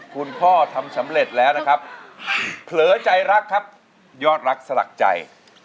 คุณพ่อทำสำเร็จแล้วนะครับเผลอใจรักครับยอดรักสลักใจ